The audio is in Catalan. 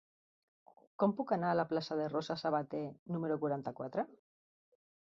Com puc anar a la plaça de Rosa Sabater número quaranta-quatre?